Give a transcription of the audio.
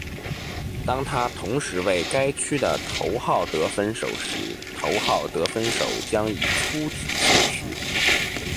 当他同时为该区的头号得分手时，头号得分手将以粗体显示。